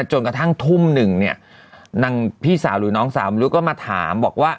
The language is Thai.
จนกระทั่งทุ่มหนึ่งเนี่ยนางพี่สาวหรือน้องสาวไม่รู้ก็มาถามบอกว่า